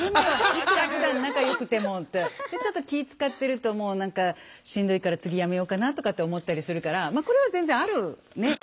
いくらふだん仲よくても。でちょっと気遣ってるともう何かしんどいから次やめようかなとかって思ったりするからまあこれは全然ある。